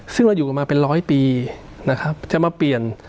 ซึ่งเราอยู่กันมาเป็นร้อยปีนะครับจะมาเปลี่ยน